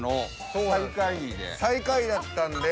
最下位だったんで。